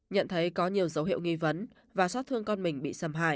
nhận thấy có nhiều dấu hiệu nghi vấn và xót thương con mình bị xâm hại